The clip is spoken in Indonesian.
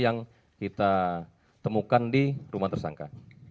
yang kita temukan di rumah tersangka